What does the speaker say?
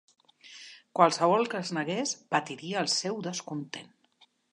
Qualsevol que es negués "patiria el seu descontent".